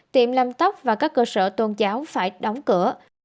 tiệm làm tóc và các cơ sở tôn giáo phải đóng cửa